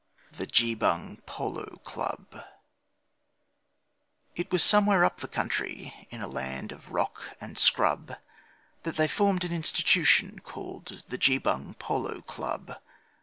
The Geebung Polo Club It was somewhere up the country, in a land of rock and scrub, That they formed an institution called the Geebung Polo Club.